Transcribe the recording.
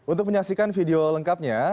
untuk menyaksikan video lengkapnya